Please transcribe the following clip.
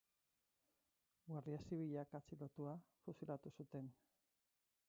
Guardia Zibilak atxilotua, fusilatu zuten.